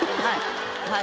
はい。